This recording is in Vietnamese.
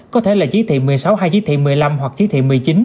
có thể là chỉ thị một mươi sáu hay chỉ thị một mươi năm hoặc chí thị một mươi chín